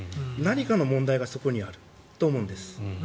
何かの問題がそこにはあると思うんです。